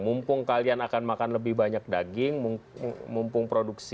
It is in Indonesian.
mumpung kalian akan makan lebih banyak daging